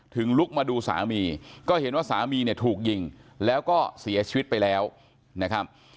ลุกมาดูสามีก็เห็นว่าสามีเนี่ยถูกยิงแล้วก็เสียชีวิตไปแล้วนะครับ